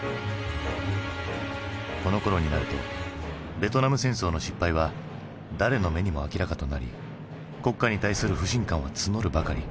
このころになるとベトナム戦争の失敗は誰の目にも明らかとなり国家に対する不信感は募るばかり。